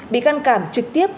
bị can cảm trực tiếp